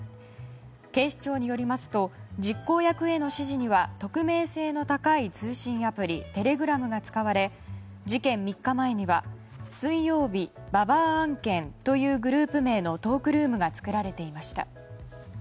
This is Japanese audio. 警視庁によりますと実行役への指示には匿名性の高い通信アプリテレグラムが使われ事件３日前には「水曜日、ババア案件」というグループ名のトークルームが作られていました。